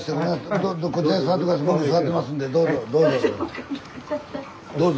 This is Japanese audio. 僕座ってますんでどうぞどうぞ。